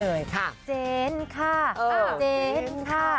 เจนค่ะเจนค่ะเจนค่ะ